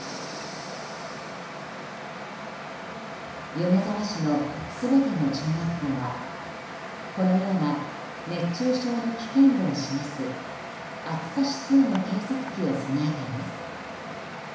米沢市の全ての中学校はこのような熱中症の危険度を示す暑さ指数の計測器を備えています。